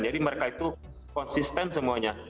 jadi mereka itu konsisten semuanya